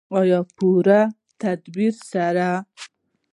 او په پوره تدبیر سره.